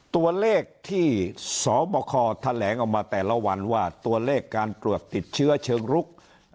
ตัวเลขที่สบคแถลงออกมาแต่ละวันว่าตัวเลขการตรวจติดเชื้อเชิงรุก